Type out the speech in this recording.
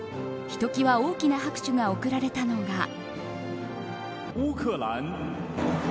ひときわ大きな拍手が送られたのが。